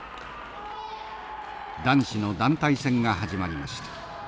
男子の団体戦が始まりました。